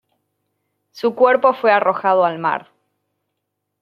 Su cuerpo fue arrojado al mar.